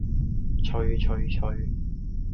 催催催